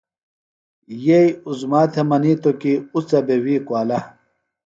یئ عظمیٰ تھےۡ منیتوۡ کی اُڅہ بےۡ وی کُوالہ۔